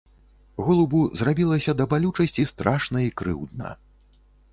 Голубу зрабілася да балючасці страшна і крыўдна.